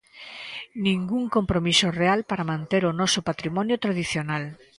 Ningún compromiso real para manter o noso patrimonio tradicional.